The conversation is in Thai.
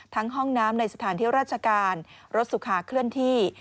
ห้องน้ำในสถานที่ราชการรถสุขาเคลื่อนที่